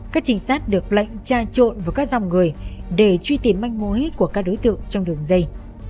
các trinh sát được lệnh tra trộn với các dòng người để truy tìm manh mối của các đối tượng trong đường dây